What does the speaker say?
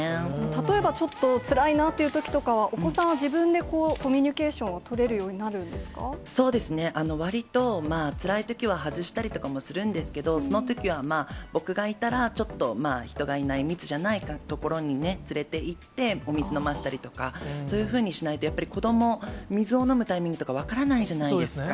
例えば、ちょっとつらいなっていうときとか、お子さんは自分でコミュニケーションを取れるよそうですね、わりとつらいときは外したりとかもするんですけど、そのときはまあ、僕がいたら、ちょっと人がいない、密じゃない所にね、連れていって、お水飲ませたりとか、そういうふうにしないと、やっぱり子ども、水を飲むタイミングとか分からないじゃないですか。